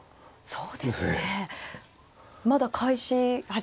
そうですね。